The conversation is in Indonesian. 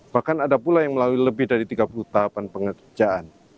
bahkan ada pula yang melalui lebih dari tiga puluh tahapan pengerjaan